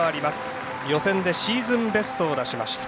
予選でシーズンベストを出しました。